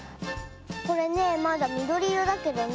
これねまだみどりいろだけどね。